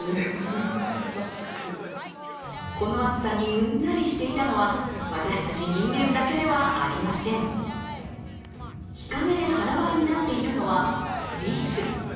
この暑さにうんざりしていたのは、私たち人間だけではありません日陰で腹ばいになっているのはリス。